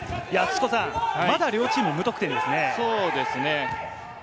まだ両チーム無得点ですね。